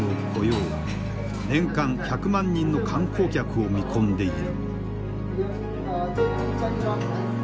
年間１００万人の観光客を見込んでいる。